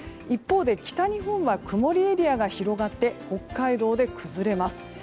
一方で北日本は曇りエリアが広がって北海道で崩れます。